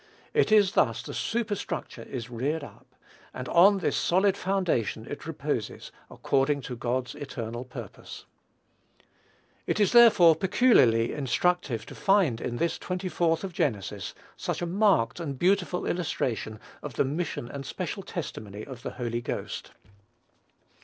It is thus the superstructure is reared up; and on this solid foundation it reposes, according to God's eternal purpose. It is therefore peculiarly instructive to find in this 24th of Genesis such a marked and beautiful illustration of the mission and special testimony of the Holy Ghost.